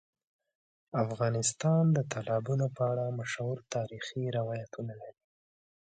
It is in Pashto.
افغانستان د تالابونو په اړه مشهور تاریخی روایتونه لري.